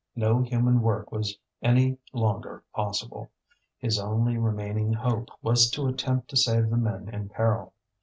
No human work was any longer possible. His only remaining hope was to attempt to save the men in peril.